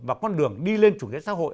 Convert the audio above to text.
và con đường đi lên chủ nghĩa xã hội